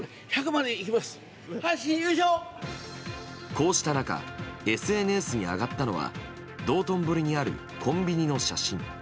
こうした中ＳＮＳに上がったのは道頓堀にあるコンビニの写真。